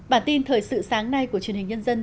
bản tin thời sự sáng nay của truyền hình nhân dân